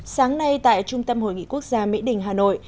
sáng nay tại trung tâm hội nghị quốc gia mỹ đình hà nội